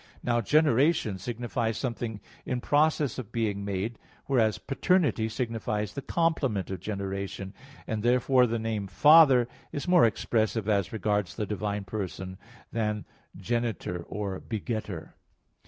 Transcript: Now generation signifies something in process of being made, whereas paternity signifies the complement of generation; and therefore the name "Father" is more expressive as regards the divine person than genitor or begettor.